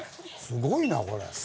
すごいなこれ。